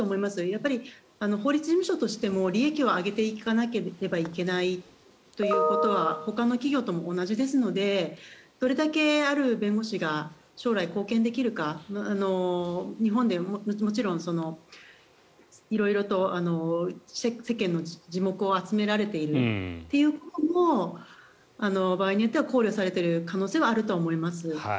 やっぱり法律事務所としても利益を上げていかなければいけないということはほかの企業とも同じですのでどれだけ、ある弁護士が将来貢献できるか日本でもちろん色々と世間の耳目を集められているということも場合によっては考慮されている可能性はあると思います。